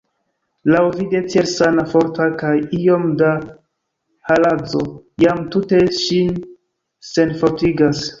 Laŭvide tiel sana, forta, kaj iom da haladzo jam tute ŝin senfortigas!